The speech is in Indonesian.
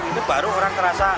itu baru orang terasa